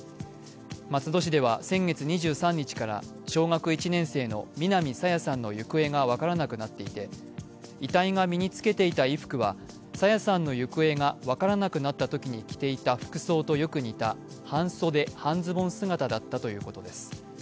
松戸市では、先月２３日から小学１年生の南朝芽さんの行方が分からなくなっていて遺体が身につけていた衣服は朝芽さんの行方が分からなくなったときに着ていた服装とよく似た半袖・半ズボン姿だったということです。